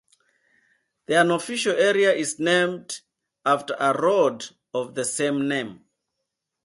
The unofficial area is named after a road of the same name.